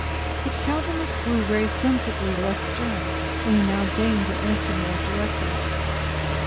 His countenance grew very sensibly less stern and he now deigned to answer more directly.